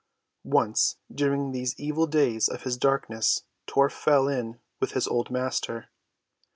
Once during these evil days of his darkness Tor fell in with his old master.